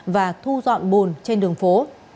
và thu dọn bùn trên đường phố